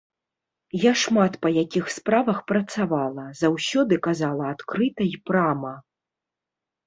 Я шмат па якіх справах працавала, заўсёды казала адкрыта і прама.